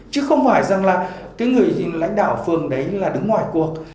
chứ không phải rằng là cái người lãnh đạo phường đấy là đứng ngoài cuộc